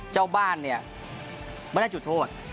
เจ้าบ้านไม่ได้จุดโทษ